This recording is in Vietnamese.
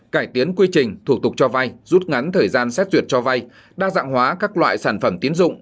cải tiến quy trình thủ tục cho vay rút ngắn thời gian xét duyệt cho vay đa dạng hóa các loại sản phẩm tiến dụng